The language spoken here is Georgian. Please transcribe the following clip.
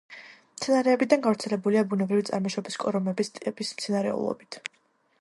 მცენარეებიდან გავრცელებულია ბუნებრივი წარმოშობის კორომები სტეპის მცენარეულობით.